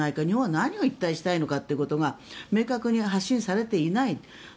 日本は何を一体したいのかということが明確に発信されていない。